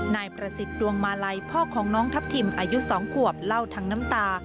นายประสิทธิ์ดวงมาลัยพ่อของน้องทัพทิมอายุ๒ขวบเล่าทั้งน้ำตา